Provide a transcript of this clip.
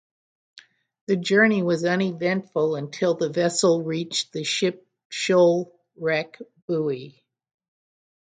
The journey was uneventful until the vessel reached the Ship Shoal Wreck Buoy.